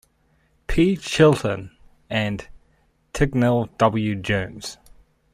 P. Chilton, and Tignall W. Jones.